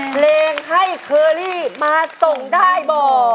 เพลงให้เคอรี่มาส่งได้บ่อ